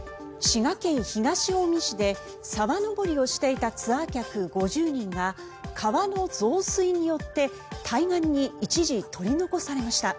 滋賀県東近江市で沢登りをしていたツアー客５０人が川の増水によって対岸に一時、取り残されました。